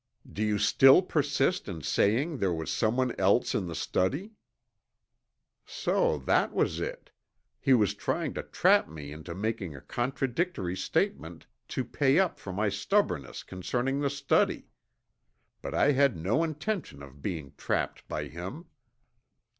"Do you still persist in saying there was someone else in the study?" So that was it. He was trying to trap me into making a contradictory statement to pay up for my stubbornness concerning the study. But I had no intention of being trapped by him.